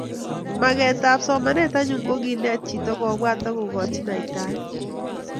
Magetab somanet anyun ko kenet chito kobwat akokoch naitaet